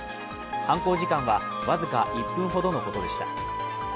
犯行時間は僅か１分ほどのことでした。